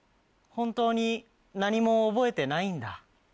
本当に何も覚えてないんだ。